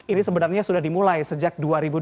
ini sebenarnya sudah dimulai sejak dua ribu dua belas